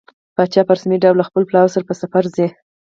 پاچا په رسمي ډول له خپل پلاوي سره په سفر ځي.